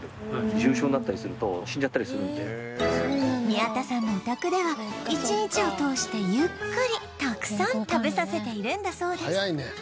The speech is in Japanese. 宮田さんのお宅では１日を通してゆっくりたくさん食べさせているんだそうです